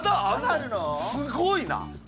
すごいな。